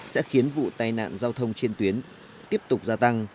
sẽ khiến vụ tai nạn giao thông trên tuyến tiếp tục gia tăng